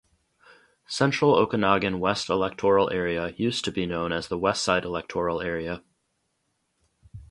"Central Okanagan West Electoral Area" used to be known as the Westside Electoral Area.